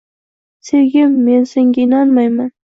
Sevgim, men senga inonmayman